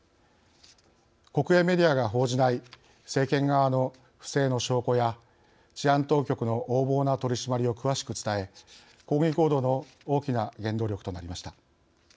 国営メディアが報じない政権側の不正の証拠や治安当局の横暴な取締りを詳しく伝え、抗議行動の大きな原動力となりました。